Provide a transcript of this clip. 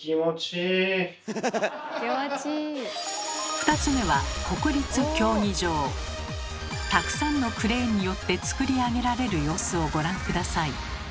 ２つ目はたくさんのクレーンによってつくり上げられる様子をご覧下さい。